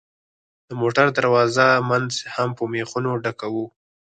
د موټر د دروازو منځ هم په مېخونو ډکوو.